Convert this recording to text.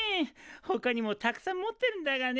ほかにもたくさん持ってるんだがね。